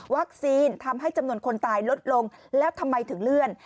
ทำให้จำนวนคนตายลดลงแล้วทำไมถึงเลื่อน